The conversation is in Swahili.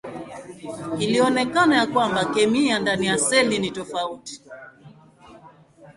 Ilionekana ya kwamba kemia ndani ya seli ni tofauti.